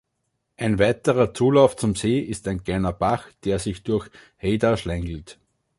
Ein weiterer Zulauf zum See ist ein kleiner Bach, der sich durch Heyda schlängelt.